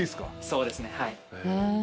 そうですねはい。